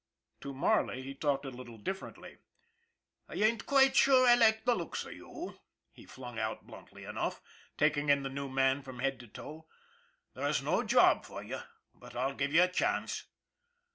To Marley he talked a little differently. " I ain't quite sure I like the looks of you/' he flung out bluntly enough, taking in the new man from head to toe. " There's no job for you, but I'll give you a chance."